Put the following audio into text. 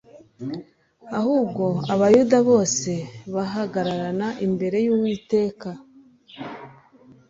ahubwo Abayuda bose bahagarara imbere yUwiteka